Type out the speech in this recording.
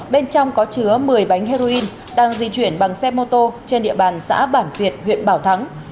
bên trong có chứa một mươi bánh heroin đang di chuyển bằng xe mô tô trên địa bàn xã bản việt huyện bảo thắng